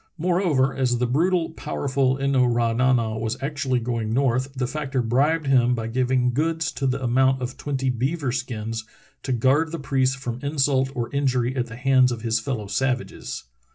Moreover, as the brutal, powerful In no ra na na was actually going north the factor bribed him by giving goods to the amount of twenty beaver skins* to guard the priest from insult or injury at the hands of his fellow savages.